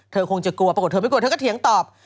เธอคงจะกลัวปรากฏเธอไม่กลัวเธอก็เถียงตอบ